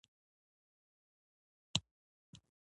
نه د خپل قوم په نوم.